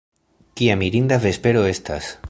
Kia mirinda vespero estas.